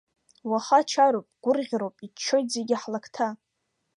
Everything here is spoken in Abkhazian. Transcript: Уаха чароуп, гәырӷьароуп, иччоит зегьы ҳлакҭа.